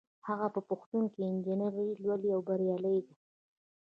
هغه په پوهنتون کې انجینري لولي او بریالۍ ده